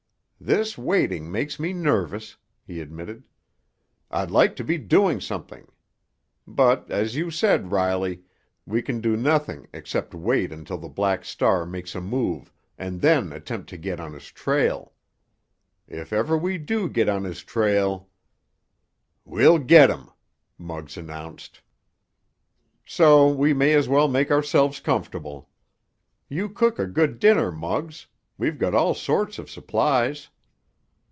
"This waiting makes me nervous," he admitted. "I'd like to be doing something. But, as you said, Riley, we can do nothing except wait until the Black Star makes a move, and then attempt to get on his trail. If ever we do get on his trail——" "We'll get him!" Muggs announced. "So we may as well make ourselves comfortable. You cook a good dinner, Muggs—we've got all sorts of supplies.